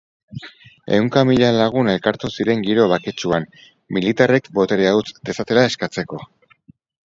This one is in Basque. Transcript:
Ehunka mila lagun elkartu ziren giro baketsuan, militarrek boterea utz dezatela eskatzeko.